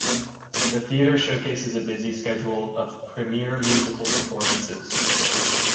The theater showcases a busy schedule of premier musical performances.